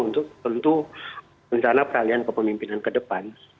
untuk tentu mencana peralihan ke pemimpinan ke depan